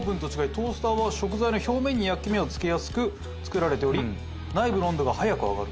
トースターは食材の表面に焼き目をつけやすく作られており内部の温度が早く上がる。